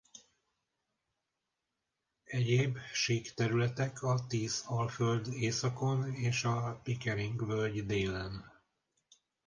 Egyéb sík területek a Tees-alföld északon és a Pickering-völgy délen.